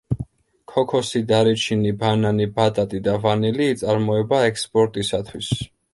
ქოქოსი, დარიჩინი, ბანანი, ბატატი და ვანილი იწარმოება ექსპორტისათვის.